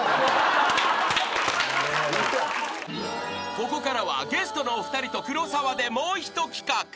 ［ここからはゲストのお二人と黒沢でもう一企画］